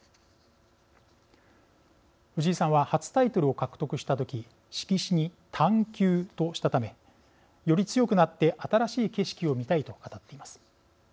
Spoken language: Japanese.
藤井さんは初タイトルを獲得した時色紙に「探究」としたためより強くなって新しい景色を見たいと語っています。